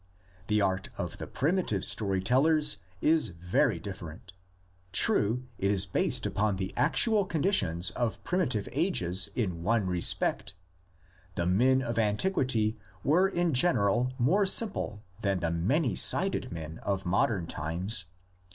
The art of the primitive story tellers is very different. True, it is based upon the actual conditions of primitive ages in one respect: the men of antiquity were in general more simple than the many sided men of modern times.